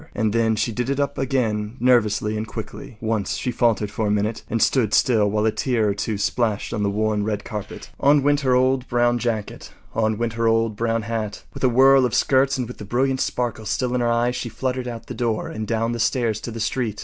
And then she did it up again nervously and quickly. Once she faltered for a minute and stood still while a tear or two splashed on the worn red carpet. On went her old brown jacket; on went her old brown hat. With a whirl of skirts and with the brilliant sparkle still in her eyes, she fluttered out the door and down the stairs to the street.